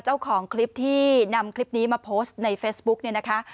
เจ้าของคลิปที่นำคลิปนี้มาโพสต์ในเฟซบุ๊กเนี่ยนะคะ